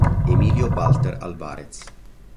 Emilio Walter Álvarez